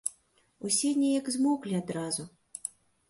Усе неяк змоўклі адразу.